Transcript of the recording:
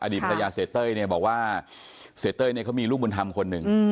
อดิบรัยาเสียเต้ยบอกว่าเสียเต้ยเขามีลูกบุญธรรมคนหนึ่ง